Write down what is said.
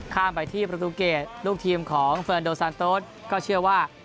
ข้ามไปที่ประตูเกตลูกทีมของเฟิร์นโดซานโต๊ดก็เชื่อว่า